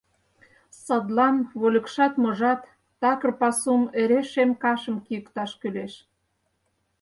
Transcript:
Садлан, вольыкшат-можат, такыр пасум эре шем кашым кийыкташ кӱлеш.